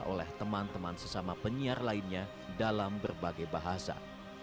oleh teman teman sesama penyiar lainnya dalam berbagai bahasa